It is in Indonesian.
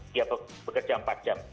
dia bekerja empat jam